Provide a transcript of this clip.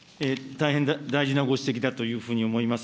大変大事なご指摘だというふうに思います。